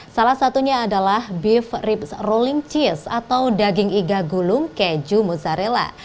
salah satunya adalah beef rips rolling cheese atau daging iga gulung keju mozzarella